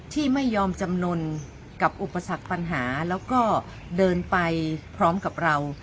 ที่ไม่ยอมจำนวนกับอุปสรรคปัญหาแล้วก็เดินไปพร้อมกับเรา